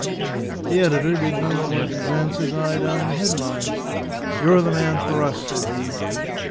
The editor did no more than glance his eye down the headlines. 'You're the man for us,' said he."